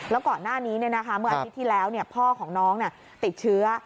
แล้วก่อนหน้านี้เมื่ออาทิตย์ที่แล้วพ่อของน้องติดเชื้อ